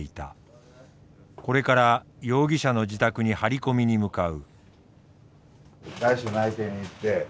これから容疑者の自宅に張り込みに向かう。